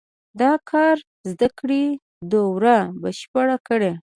د کار زده کړې دوره بشپړه کړي.